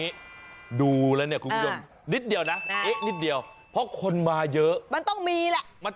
เออคุณคิดได้ยังไง๓๐บาท